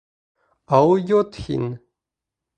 Алйот һин!